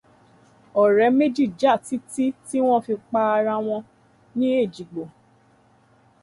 Ọ̀rẹ́ méjì jà títí tí wọ́n fi para wọn ní Èjìgbò.